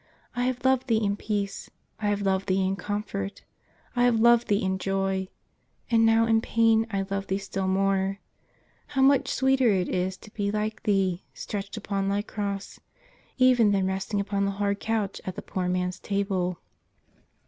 I have loved Thee in peace ; I have loved Thee in com fort ; I have loved Thee in joy, — and now in pain I love Thee still more. How much sweeter it is to be like Thee, stretched upon Thy Cross, even than resting upon the hard couch at the poor man's table